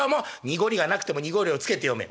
「濁りがなくても濁りをつけて読め」。